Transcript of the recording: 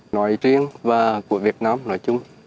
nói riêng và của việt nam nói chung